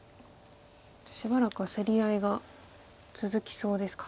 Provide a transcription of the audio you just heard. しばらくは競り合いが続きそうですか。